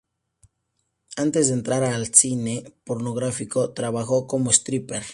Antes de entrar en el cine pornográfico trabajó como stripper.